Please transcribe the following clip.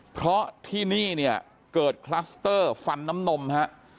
เพราะที่นี่เนี่ยเกิดคลัสเตอร์ฟันน้ำนมฮะ